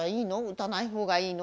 打たないほうがいいの？